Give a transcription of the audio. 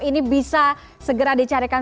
ini bisa segera dicarikan